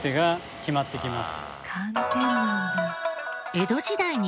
江戸時代に